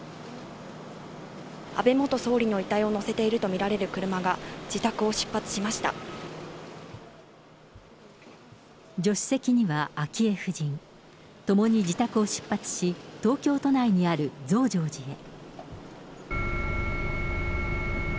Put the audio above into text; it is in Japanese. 安倍元総理の遺体を乗せていると見られる車が自宅を出発しま助手席には昭恵夫人、共に自宅を出発し、東京都内にある増上寺へ。